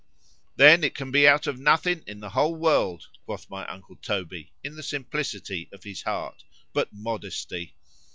——Then it can be out of nothing in the whole world, quoth my uncle Toby, in the simplicity of his heart,—but MODESTY.